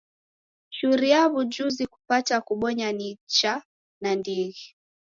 Churia w'ujuzi kupate kubonya nicha nandighi.